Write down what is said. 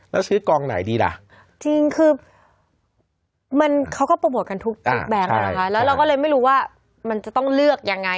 แล้วเราก็เลยไม่รู้ว่ามันจะต้องเลือกยังไง